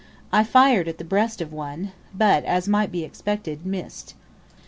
I fired at the breast of one, but, as might be expected, missed.